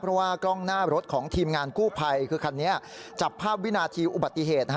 เพราะว่ากล้องหน้ารถของทีมงานกู้ภัยคือคันนี้จับภาพวินาทีอุบัติเหตุ